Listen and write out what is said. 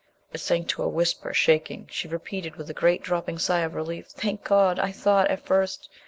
It sank to a whisper, shaking. She repeated, with a great dropping sigh of relief "Thank God! I thought ... at first